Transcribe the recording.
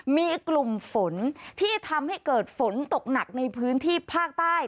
มีกลุ่มฝนที่ทำให้เกิดฝนตกหนักในพื้นที่ภาคใต้